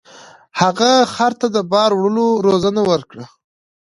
هغه خر ته د بار وړلو روزنه ورکړه.